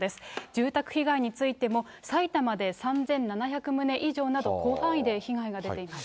住宅被害についても、埼玉で３７００棟以上など、広範囲で被害が出ています。